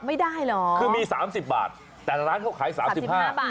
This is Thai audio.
ไม่ได้หรอคือมี๓๐บาทแต่ร้านเขาขาย๓๕บาท